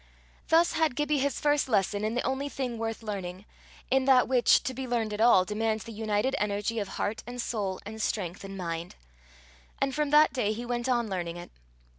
Thus had Gibbie his first lesson in the only thing worth learning, in that which, to be learned at all, demands the united energy of heart and soul and strength and mind; and from that day he went on learning it.